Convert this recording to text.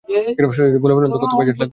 সোজাসুজি বলে ফেলুন তো, কত বাজেট লাগবে?